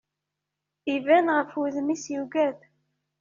Iban ɣef wudem-is yugad.